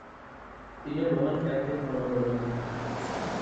তিনি Roman Catholic ধর্মাবলম্বী।